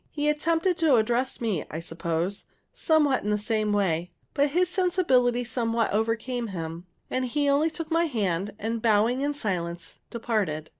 He attempted to address me, I suppose, somewhat in the same way; but his sensibility somewhat overcame him, and he only took my hand, and, bowing in silence, departed.